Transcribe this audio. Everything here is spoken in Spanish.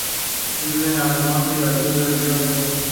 Viven al norte y al sur del río Geba.